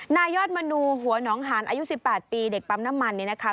นายยอดมนูหัวหนองหานอายุ๑๘ปีเด็กปั๊มน้ำมันนี่นะคะ